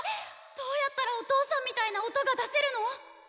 どうやったらお父さんみたいな音が出せるの⁉